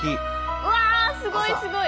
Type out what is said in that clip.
うわすごいすごい！